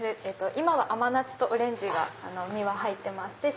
今は甘夏とオレンジが実は入ってまして。